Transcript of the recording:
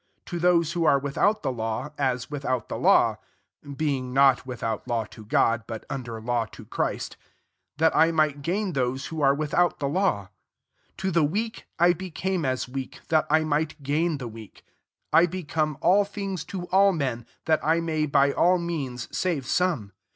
21 to those who are without the law, as without the law, (being not without law to God, but un der law to Christ,) that I might gain those who are without the , law. %% To the weak, I became as weak, that I might gain the weak: I become all [things] to allm^, that I may by all means save some.